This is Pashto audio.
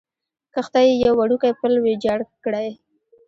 کښته یې یو وړوکی پل ویجاړ کړی.